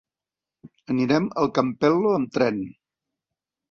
Anirem al Campello amb tren.